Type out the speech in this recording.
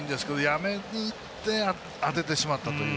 やめにいって当ててしまったという。